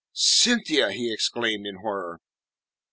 "Cynthia!" he exclaimed, in horror.